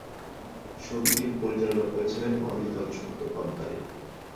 ছবিটির পরিচালনা করেছিলেন অনিন্দ্য চট্টোপাধ্যায়।